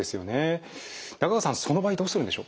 中川さんその場合どうするんでしょうか？